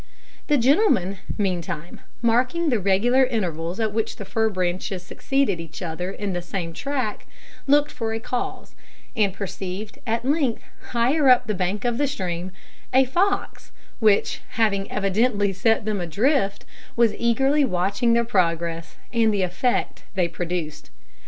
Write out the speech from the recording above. The gentleman, meantime, marking the regular intervals at which the fir branches succeeded each other in the same track, looked for a cause, and perceived, at length, higher up the bank of the stream, a fox, which, having evidently sent them adrift, was eagerly watching their progress and the effect they produced.